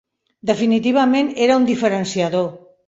Definitivament era un diferenciador.